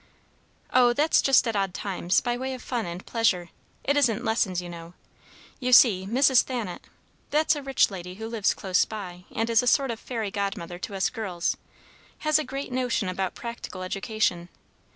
"Oh, that's just at odd times, by way of fun and pleasure; it isn't lessons, you know. You see, Mrs. Thanet that's a rich lady who lives close by, and is a sort of fairy godmother to us girls has a great notion about practical education.